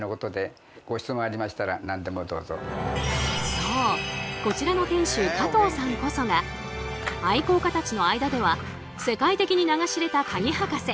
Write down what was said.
そうこちらの店主加藤さんこそが愛好家たちの間では世界的に名が知れた鍵博士。